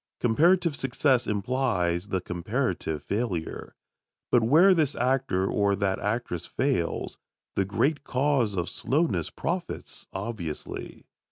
Comparative success implies the comparative failure. But where this actor or that actress fails, the great cause of slowness profits, obviously.